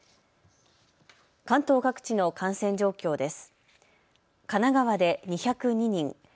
関東各地の感染状況です。